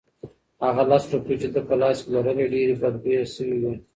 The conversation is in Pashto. هغه لس روپۍ چې ده په لاس کې لرلې ډېرې بدبویه شوې وې.